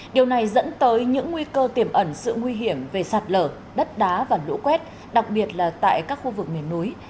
điều này dẫn tới những nguy cơ tiềm ẩn sự nguy hiểm về sạt lở đất đá và lũ quét đặc biệt là tại các khu vực miền núi